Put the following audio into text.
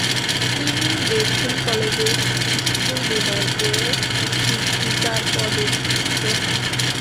তিনি বেথুন কলেজের স্কুল বিভাগে শিক্ষীকার পদে নিযুক্ত হন।